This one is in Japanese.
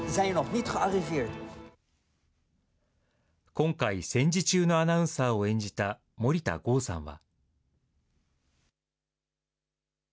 今回、戦時中のアナウンサーを演じた森田剛さんは。